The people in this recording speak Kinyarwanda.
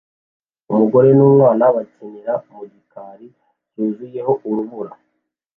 Umugore n'umwana bakinira mu gikari cyuzuyeho urubura